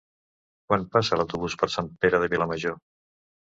Quan passa l'autobús per Sant Pere de Vilamajor?